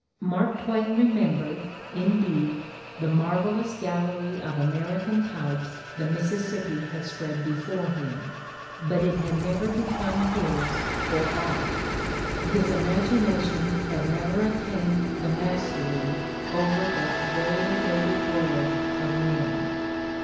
Mark Twain remembered, indeed, the marvelous gallery of American types the Mississippi had spread before him, but it had never become his for art: his imagination had never attained the mastery over that variegated world of men.